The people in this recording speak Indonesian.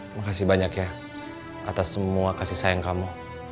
makasih banyak ya atas semua kasih sayang kamu